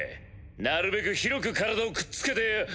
なるべく広く体をくっつけてみる。